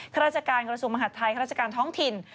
คราชการกระทรูปมาหัสไทยคราชการท้องถิ่น